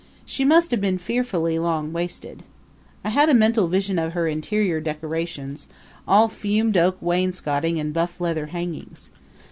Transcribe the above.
She must have been fearfully long waisted. I had a mental vision of her interior decorations all fumed oak wainscotings and buff leather hangings.